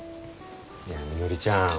いやみのりちゃん